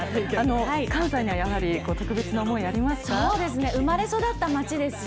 関西にはやはり、特別な思い、ありますか？